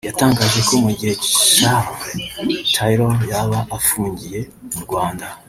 yatangaje ko mu gihe Charles Taylor yaba afungiye mu Rwanda